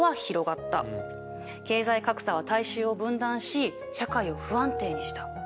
経済格差は大衆を分断し社会を不安定にした。